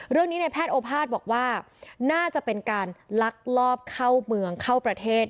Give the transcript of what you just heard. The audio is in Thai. ในแพทย์โอภาษย์บอกว่าน่าจะเป็นการลักลอบเข้าเมืองเข้าประเทศ